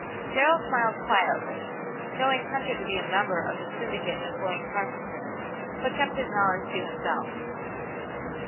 Darrell smiled quietly, knowing Hunter to be a member of the syndicate employing Parkinson, but kept his knowledge to himself.